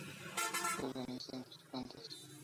Se organiza en tres plantas.